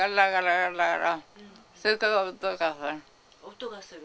音がする。